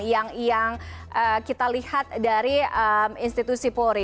yang kita lihat dari institusi polri